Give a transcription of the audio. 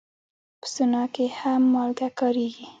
په سونا کې هم مالګه کارېږي.